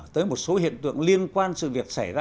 tới một số hiện tượng liên quan sự việc xảy ra